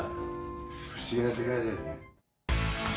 不思議な出会いだよね。